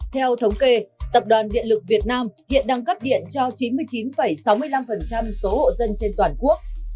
theo thống kê tập đoàn điện lực việt nam hiện đang cấp điện cho chín mươi chín sáu mươi năm số hộ dân trên toàn quốc